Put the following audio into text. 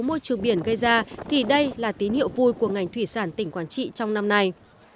môi trường biển gây ra thì đây là tín hiệu vui của ngành thủy sản tỉnh quảng trị trong năm nay